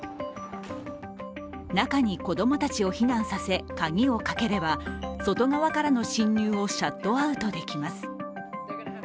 中に子供たちを避難させ、鍵をかければ外側からの侵入をシャットアウトできます。